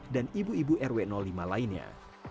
dan ibu ibu rw lima lainnya